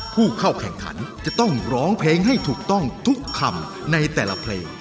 ผู้เข้าแข่งขันจะต้องร้องเพลงให้ถูกต้องทุกคำในแต่ละเพลง